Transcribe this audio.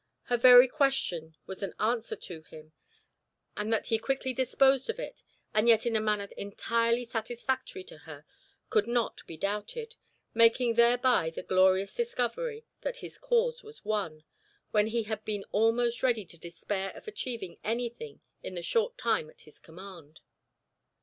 Her very question was an answer to him, and that he quickly disposed of it, and yet in a manner entirely satisfactory to her, could not be doubted, making thereby the glorious discovery that his cause was won, when he had been almost ready to despair of achieving anything in the short time at his command.